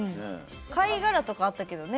貝殻とかあったけどね